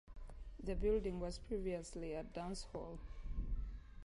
The building was previously a dance hall.